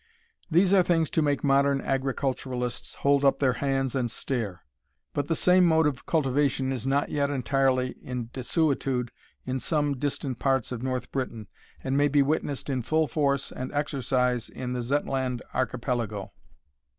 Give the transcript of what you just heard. These are things to make modern agriculturists hold up their hands and stare; but the same mode of cultivation is not yet entirely in desuetude in some distant parts of North Britain, and may be witnessed in full force and exercise in the Zetland Archipelago.